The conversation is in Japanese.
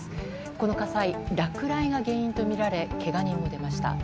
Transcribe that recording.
この火災、落雷が原因とみられけが人も出ました。